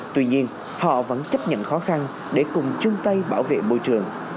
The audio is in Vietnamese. tuy nhiên họ vẫn chấp nhận khó khăn để cùng chung tay bảo vệ môi trường